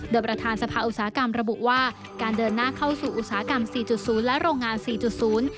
โดยประธานสภาอุตสาหกรรมระบุว่าการเดินหน้าเข้าสู่อุตสาหกรรมสี่จุดศูนย์และโรงงานสี่จุดศูนย์